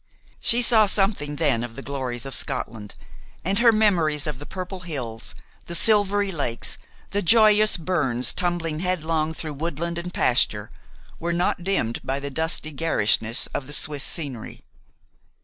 She saw something then of the glories of Scotland, and her memories of the purple hills, the silvery lakes, the joyous burns tumbling headlong through woodland and pasture, were not dimmed by the dusty garishness of the Swiss scenery.